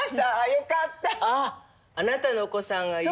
よかった。